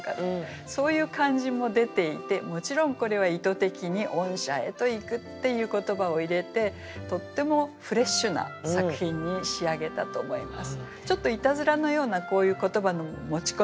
そういう感じも出ていてもちろんこれは意図的に「御社へと行く」っていう言葉を入れてとってもフレッシュな作品に仕上げたと思います。